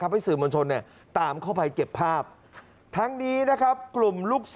ไปชมคลิปนี้กันครับ